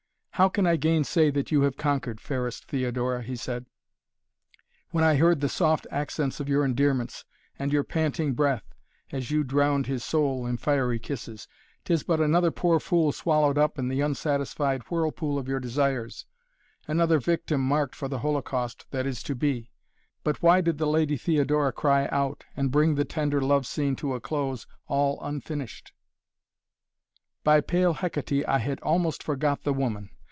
"How can I gainsay that you have conquered, fairest Theodora," he said, "when I heard the soft accents of your endearments and your panting breath, as you drowned his soul in fiery kisses? 'Tis but another poor fool swallowed up in the unsatisfied whirlpool of your desires, another victim marked for the holocaust that is to be. But why did the Lady Theodora cry out and bring the tender love scene to a close all unfinished?" "By pale Hekaté, I had almost forgot the woman!